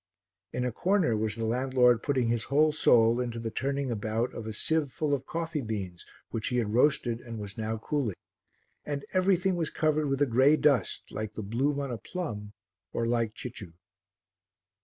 In a corner was the landlord putting his whole soul into the turning about of a sieve full of coffee beans which he had roasted and was now cooling. And everything was covered with a grey dust like the bloom on a plum or like Cicciu.